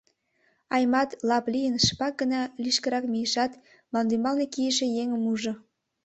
Аймат, лап лийын, шыпак гына лишкырак мийышат, мландӱмбалне кийыше еҥым ужо.